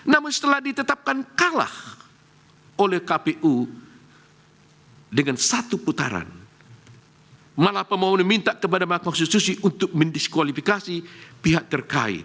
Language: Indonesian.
namun setelah ditetapkan kalah oleh kpu dengan satu putaran malah pemohon meminta kepada mahkamah konstitusi untuk mendiskualifikasi pihak terkait